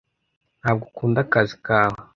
Ntabwo ukunda akazi kawe?